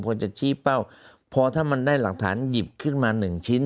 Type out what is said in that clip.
พอจะชี้เป้าพอถ้ามันได้หลักฐานหยิบขึ้นมาหนึ่งชิ้น